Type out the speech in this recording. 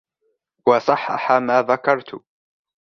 وَصَحَّحَ مَا ذَكَرْتُ